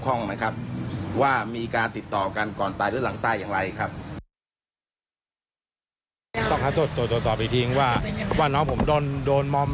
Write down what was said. ตอนนี้ผลที่เรารออยู่มันเฉ้าไปจากกำหนด